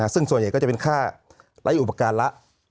ซึ่งส่วนใหญ่ก็จะเป็นค่าไร้อุปการณ์ละ